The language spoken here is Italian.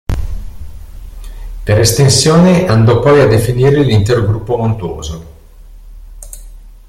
Per estensione andò poi a definire l'intero gruppo montuoso.